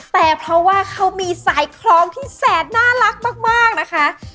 แต่เพราะว่าเขามีสายคล้องที่แสดน่ารักมากนะคะ